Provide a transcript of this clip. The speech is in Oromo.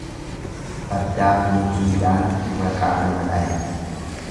Fardaaf nitiidhaan maqaa nama dhayan.